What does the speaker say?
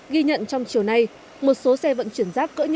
ghi nhận trong chiều nay một số xe vận chuyển rác đã bị ồn ứ kéo dài